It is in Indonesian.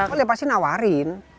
oh ya pasti nawarin